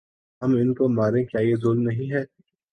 ہم ان کو ماریں کیا یہ ظلم نہیں ہے ۔